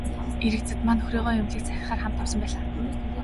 Эрэгзэдмаа нөхрийгөө эмнэлэгт сахихаар хамт явсан байлаа.